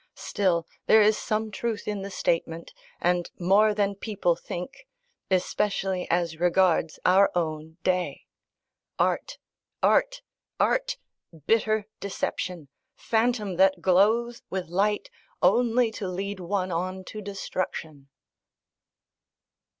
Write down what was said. Still, there is some truth in the statement, and more than people think, especially as regards our own day. Art! art! art! bitter deception! phantom that glows with light, only to lead one on to destruction...